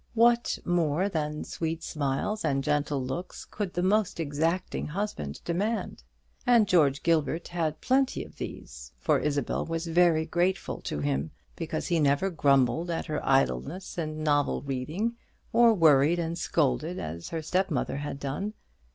What more than sweet smiles and gentle looks could the most exacting husband demand? And George Gilbert had plenty of these; for Isabel was very grateful to him, because he never grumbled at her idleness and novel reading, or worried and scolded as her step mother had done.